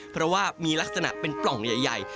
เพราะว่ามีลักษณะเป็นปล่องใหญ่